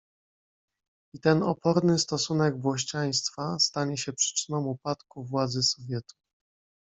"I ten oporny stosunek włościaństwa stanie się przyczyną upadku władzy Sowietów."